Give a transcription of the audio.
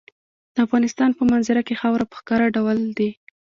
د افغانستان په منظره کې خاوره په ښکاره ډول دي.